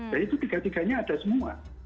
dan itu tiga tiganya ada semua